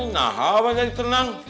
nah apa jadi tenang